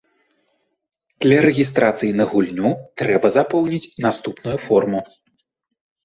Для рэгістрацыі на гульню трэба запоўніць наступную форму.